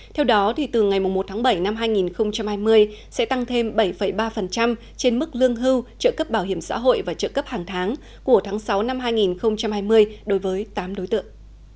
theo đó từ ngày một tháng bảy năm hai nghìn hai mươi sẽ tăng thêm bảy ba trên mức lương hưu trợ cấp bảo hiểm xã hội và trợ cấp hàng tháng của tháng sáu năm hai nghìn hai mươi đối với tám đối tượng